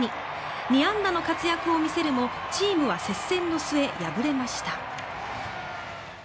２安打の活躍を見せるもチームは接戦の末敗れました。